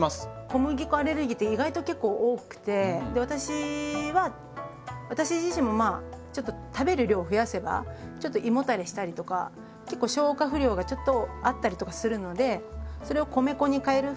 小麦粉アレルギーって意外と結構多くて私は私自身もまあちょっと食べる量増やせばちょっと胃もたれしたりとか結構消化不良がちょっとあったりとかするのでそれを米粉に替える。